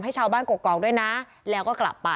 ให้ชาวบ้านกรกกองด้วยนะ